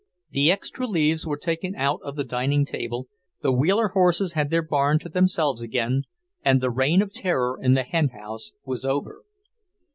The extra leaves were taken out of the dining table, the Wheeler horses had their barn to themselves again, and the reign of terror in the henhouse was over.